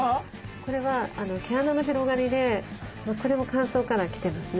これは毛穴の広がりでこれも乾燥から来てますね。